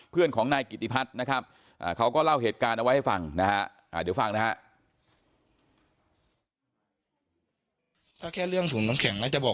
เพื่อนของนายกิติพัฒน์นะครับเขาก็เล่าเหตุการณ์เอาไว้ให้ฟังนะฮะ